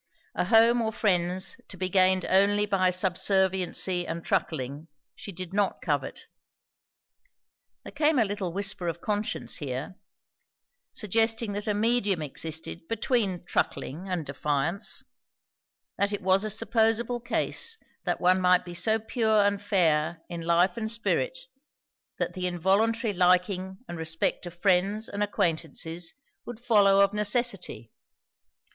A home or friends to be gained only by subserviency and truckling, she did not covet. There came a little whisper of conscience here, suggesting that a medium existed between truckling and defiance; that it was a supposable case that one might be so pure and fair in life and spirit, that the involuntary liking and respect of friends and acquaintances would follow of necessity.